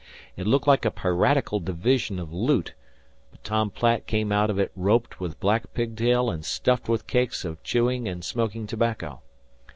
It looked like a piratical division of loot; but Tom Platt came out of it roped with black pigtail and stuffed with cakes of chewing and smoking tobacco.